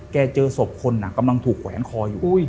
เจอศพคนกำลังถูกแขวนคออยู่